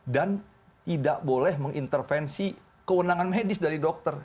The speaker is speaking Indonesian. dan tidak boleh mengintervensi kewenangan medis dari dokter